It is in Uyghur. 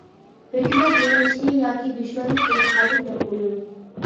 «ھۆكۈمەت يېڭىلىشتى ياكى دۈشمەنلىك بولۇپ قالدىم» دەپ ئويلىدى ئۇ.